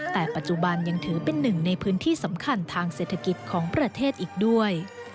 แต่ปัจจุบันยังถือเป็นหนึ่งในพื้นที่สำคัญทางเศรษฐกิจของประเทศอีกด้วย